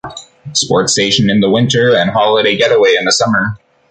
Sports station in the winter and holiday get-away in the summer.